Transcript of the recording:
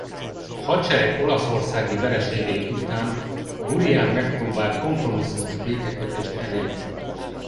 A hadsereg olaszországi vereségei után Burián megpróbált kompromisszumos békekötést elérni.